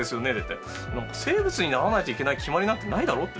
「生物にならないといけない決まりなんてないだろ」って言って。